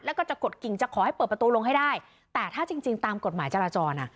แล้วก็จะกดกิ่งจะขอให้เปิดประตูลงให้ได้แต่ถ้าจริงจริงตามกฎหมายจราจรอ่ะ